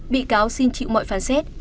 bị cáo xin chịu mọi phán xét